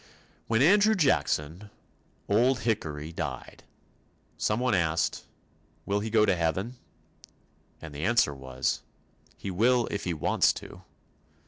When Andrew Jackson, "Old Hickory," died, someone asked, "Will he go to Heaven?" and the answer was, "He will if he wants to."